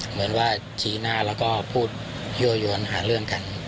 เหมือนว่าชี้หน้าแล้วก็พูดยั่วยวนหาเรื่องกัน